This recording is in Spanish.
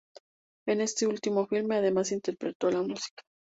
En este último filme, además, interpretó la música.